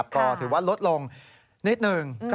ก็ถือว่าลดลงนิดหนึ่ง